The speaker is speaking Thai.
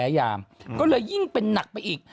คือกินยาแก้แพ้แต่แพ้ยาก็เลยยิ่งเป็นหนักไปอีก